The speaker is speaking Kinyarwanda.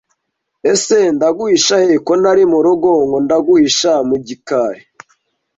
Ese ndaguhisha he ko ntari mu rugo ngo ndaguhisha mu gikari